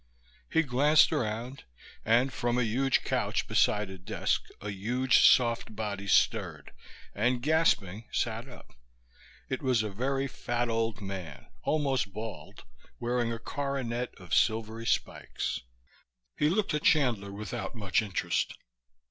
He glanced around and, from a huge couch beside a desk, a huge soft body stirred and, gasping, sat up. It was a very fat old man, almost bald, wearing a coronet of silvery spikes. He looked at Chandler without much interest.